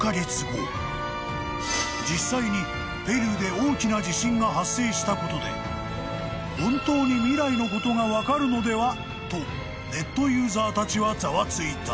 ［実際にペルーで大きな地震が発生したことで本当に未来のことが分かるのでは？とネットユーザーたちはざわついた。